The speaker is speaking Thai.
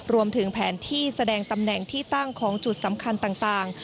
รวมถึงแผนที่แสดงตำแหน่งที่ตั้งของจุดสำคัญต่าง